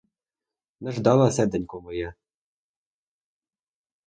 Не ждала, серденько моє!